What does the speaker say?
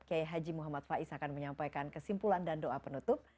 kiai haji muhammad faiz akan menyampaikan kesimpulan dan doa penutup